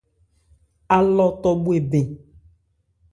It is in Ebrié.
Alɔ tɔ bhwe bɛn.